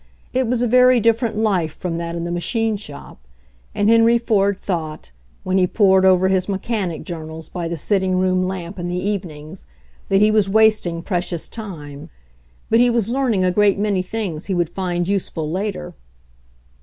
It was a very different life from that in the machine shop, and Henry Ford thought, when he pored over his mechanic journals by the sit ting room lamp in the evenings, that he was wasting precious time. But he was learning* a great many things he would find useful later.